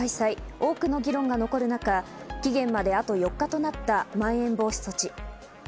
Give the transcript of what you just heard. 多くの議論が残る中、期限まであと４日となった、まん延防止措置。